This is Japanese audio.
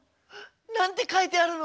何て書いてあるの？